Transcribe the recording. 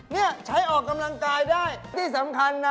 นี่ใช้ออกกำลังกายได้ที่สำคัญนะ